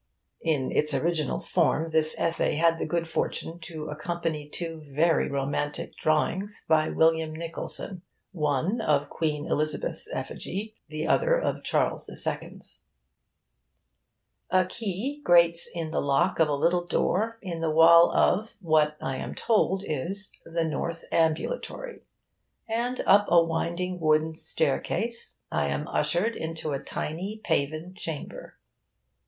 [In its original form this essay had the good fortune to accompany two very romantic drawings by William Nicholson one of Queen Elizabeth's effigy, the other of Charles II.'s.] A key grates in the lock of a little door in the wall of (what I am told is) the North Ambulatory; and up a winding wooden staircase I am ushered into a tiny paven chamber.